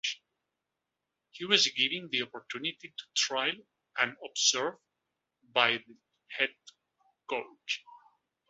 He was given the opportunity to trial and be observed by the head coach.